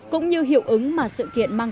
cũng như hiệu ứng mà sự kiện mạng